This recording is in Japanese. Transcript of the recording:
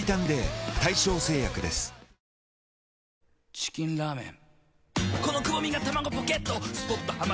チキンラーメン。